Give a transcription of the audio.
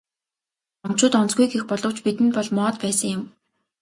Томчууд онцгүй гэх боловч бидэнд бол моод байсан юм.